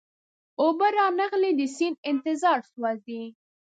اوبه را نغلې د سیند انتظار سوزی